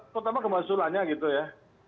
terutama gempa susulannya gitu ya